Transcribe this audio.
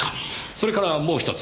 それからもう一つ。